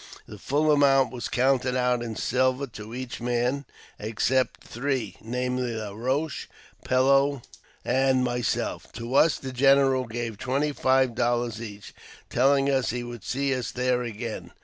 The full amount was counted out in silver to each man, except three, namely, La Eoche, Pellow, and myself. To us the general gave twenty five dollars each, telling us he would see us there again.